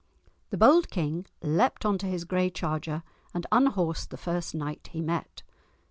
The bold king leapt on to his grey charger, and unhorsed the first knight he met.